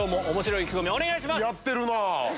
やってるなぁ！